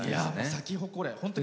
サキホコレ。